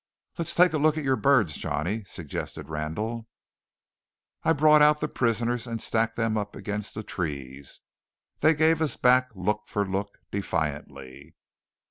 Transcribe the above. "Let's take a look at your birds, Johnny," suggested Randall. I brought out the prisoners and stacked them up against the trees. They gave us back look for look defiantly.